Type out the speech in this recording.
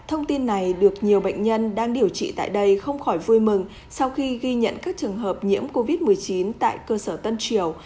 thông tin này được nhiều bệnh nhân đang điều trị tại đây không khỏi vui mừng sau khi ghi nhận các trường hợp nhiễm covid một mươi chín tại cơ sở tân triều